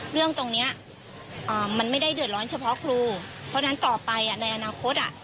เรื่องตรงนี้มันไม่ได้เดือดร้อนเฉพาะครูเพราะฉะนั้นต่อไปในอนาคต